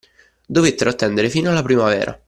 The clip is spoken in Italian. Dovettero attendere fino alla primavera